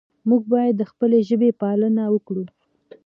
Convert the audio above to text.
موږ باید د خپلې ژبې پالنه وکړو.